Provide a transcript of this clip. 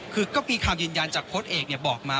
คือก็มีคำยืนยันจากโค้ดเอกบอกมา